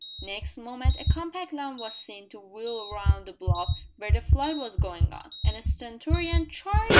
Next moment a compact line was seen to wheel round the bluff where the fight was going on, and a stentorian "Charge!"